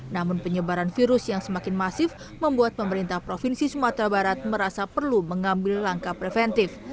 namun penyebaran virus yang semakin masif membuat pemerintah provinsi sumatera barat merasa perlu mengambil langkah preventif